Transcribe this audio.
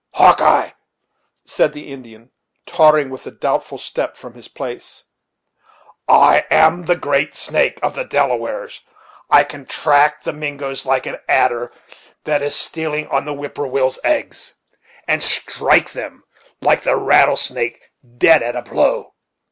"Hawk eye," said the Indian, tottering with a doubtful step from his place, "I am the Great Snake of the Delawares; I can track the Mingoes like an adder that is stealing on the whip poor will's eggs, and strike them like the rattlesnake dead at a blow.